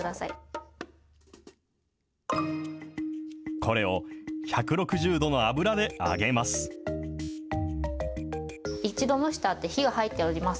これを１６０度の油で揚げます。